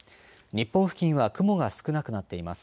日本付近は雲が少なくなっています。